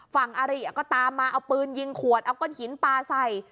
อาริก็ตามมาเอาปืนยิงขวดเอาก้นหินปลาใส่